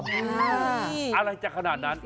อันนี้อะไรจากขนาดนั้น